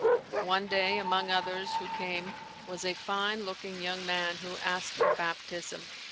One day among others who came was a fine looking young man who asked for baptism.